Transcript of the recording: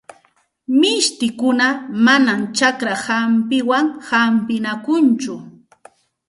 Mishtikuna manam chakra hampiwan hampinakunchu.